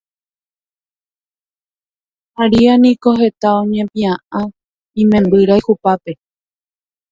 Maria niko heta oñepiaʼã imemby rayhupápe.